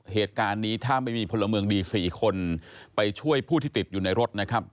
เหตุการณ์นี้ถ้าไม่มีพลเมืองดี๔คนไปช่วยผู้ที่ติดอยู่ในรถนะครับ